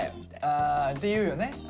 あって言うよね。